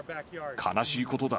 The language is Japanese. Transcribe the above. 悲しいことだ。